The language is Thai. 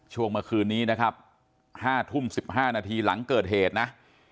เมื่อคืนนี้นะครับ๕ทุ่ม๑๕นาทีหลังเกิดเหตุนะ